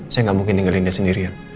saya gak mungkin dengerin dia sendirian